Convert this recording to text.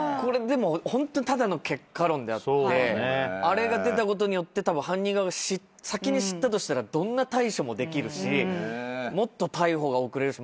ホントただの結果論であってあれが出たことによって犯人側が先に知ったとしたらどんな対処もできるしもっと逮捕が遅れるし。